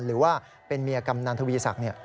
หรือว่าเป็นเมียกำนันทวีศักดิ์